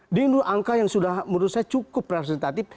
ini menurut angka yang sudah menurut saya cukup representatif